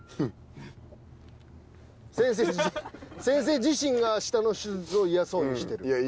先生自身が明日の手術をイヤそうにしてる。